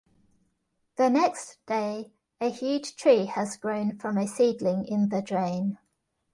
The next day, a huge tree has grown from a seedling in the drain.